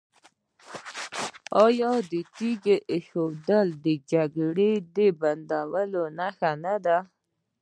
آیا تیږه ایښودل د جګړې د بندولو نښه نه ده؟